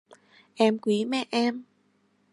Em quý mẹ em